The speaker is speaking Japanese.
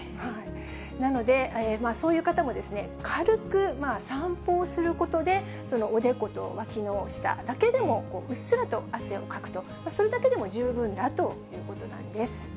なので、そういう方も軽く散歩をすることで、おでことわきの下だけでもうっすらと汗をかくと、それだけでも十分だということなんです。